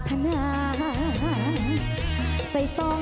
เตรียมพับกรอบ